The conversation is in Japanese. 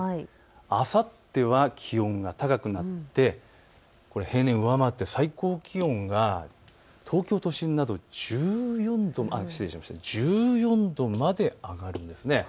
あさっては気温が高くなって平年を上回って最高気温が東京都心など１４度まで上がるんです。